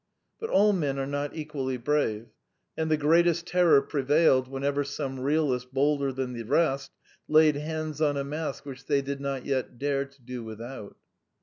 But all men are not equally brave; and the greatest terror prevailed whenever some real ist bolder than the rest laid hands on a mask which they did not yet dare to do without.